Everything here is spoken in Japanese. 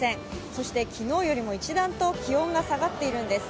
そして昨日よりも一段と気温が下がっているんです。